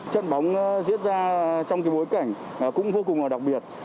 trận bóng diễn ra trong bối cảnh cũng vô cùng đặc biệt